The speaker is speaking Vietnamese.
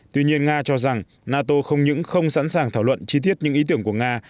tuy nhiên nga cho rằng nato không những không sẵn sàng thảo luận chi tiết những ý tưởng của nga